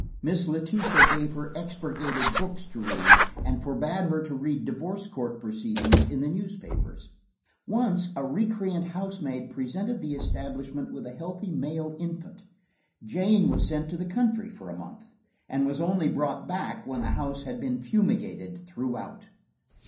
Miss Letitia gave her expurgated books to read, and forbade her to read divorce court proceedings in the newspapers. Once, a recreant housemaid presenting the establishment with a healthy male infant, Jane was sent to the country for a month, and was only brought back when the house had been fumigated throughout.